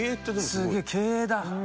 すげえ経営だ。